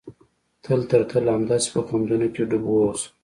تل تر تله همداسې په خوندونو کښې ډوب واوسم.